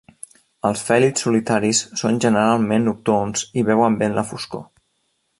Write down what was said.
Els fèlids solitaris són generalment nocturns i veuen bé en la foscor.